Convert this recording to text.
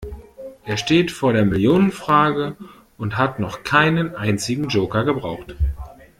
Er steht vor der Millionenfrage und hat noch keinen einzigen Joker gebraucht.